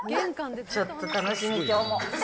ちょっと楽しみ、きょうも。